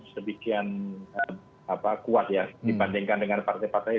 sedemikian kuat ya dibandingkan dengan partai partai